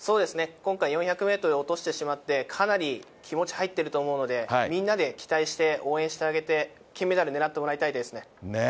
今回、４００メートルを落としてしまって、かなり気持ち入っていると思うので、みんなで期待して、応援してあげて、金メダルねらってもらいたいですね。ねぇ。